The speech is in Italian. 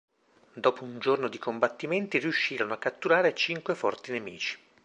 Dopo un giorno di combattimenti riuscirono a catturare cinque forti nemici.